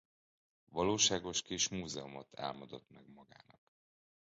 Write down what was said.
Valóságos kis múzeumot álmodott meg magának.